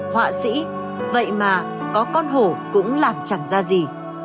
họa sĩ vậy mà có con hổ cũng làm chẳng ra gì